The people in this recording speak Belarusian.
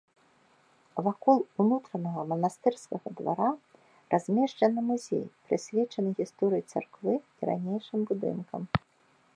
Вакол ўнутранага манастырскага двара размешчаны музей, прысвечаны гісторыі царквы і ранейшым будынкам.